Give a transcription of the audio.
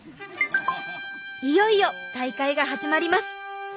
いよいよ大会が始まります。